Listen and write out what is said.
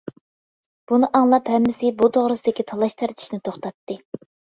بۇنى ئاڭلاپ ھەممىسى بۇ توغرىسىدىكى تالاش تارتىشىنى توختاتتى.